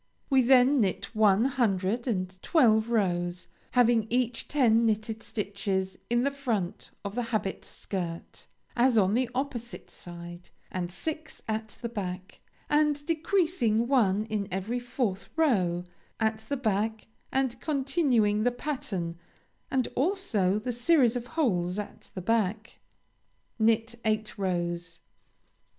We then knit one hundred and twelve rows, having each ten knitted stitches in the front of the habit shirt, as on the opposite side, and six at the back, and decreasing one in every fourth row, at the back, and continuing the pattern, and also the series of holes at the back. Knit eight rows.